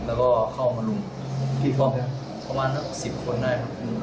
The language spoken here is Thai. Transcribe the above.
แล้วก็เข้ามารุ่นพี่พร่มพรัมประมาณ๗คนได้